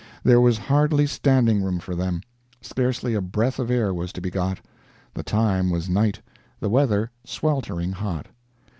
There was hardly standing room for them; scarcely a breath of air was to be got; the time was night, the weather sweltering hot.